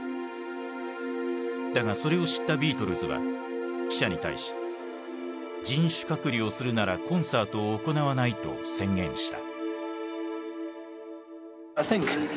だがそれを知ったビートルズは記者に対し人種隔離をするならコンサートを行わないと宣言した。